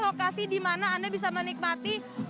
lokasi dimana anda bisa menikmati